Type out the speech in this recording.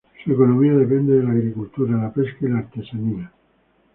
Su economía depende de la agricultura, la pesca y la artesanía.